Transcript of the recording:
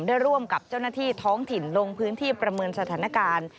ได้ร่วมกับเจ้าหน้าที่ท้องถิ่นลงพื้นที่ประเมินสถานการณ์